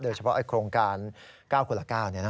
โดยเฉพาะโครงการ๙คุณละ๙เนี่ยนะ